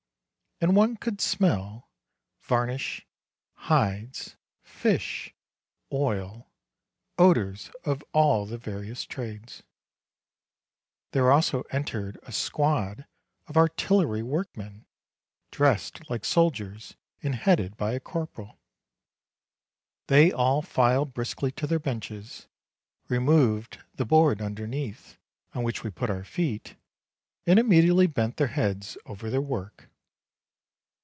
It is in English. And one could smell varnish, hides, fish, oil, odors of all the various trades. There also 165 1 66 MARCH entered a squad of artillery workmen, dressed like soldiers and headed by a corporal. They all filed briskly to their benches, removed the board underneath, on which we put our feet, and immediately bent their heads over their work.